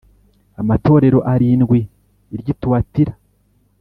Amatorero arindwi iry i tuwatira